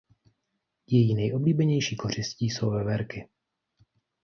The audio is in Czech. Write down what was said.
Její nejoblíbenější kořistí jsou veverky.